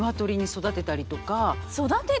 育てたり。